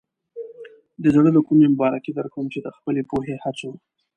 د زړۀ له کومې مبارکي درکوم چې د خپلې پوهې، هڅو.